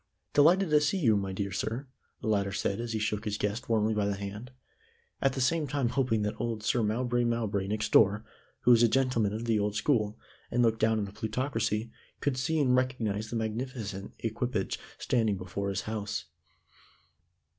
"Delighted to see you, my dear sir," the latter said as he shook his guest warmly by the hand, at the same time hoping that old Sir Mowbray Mowbray next door, who was a gentleman of the old school, and looked down on the plutocracy, could see and recognize the magnificent equipage standing before his house.